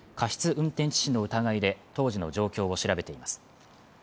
運転致死の疑いで当時の状況を調べています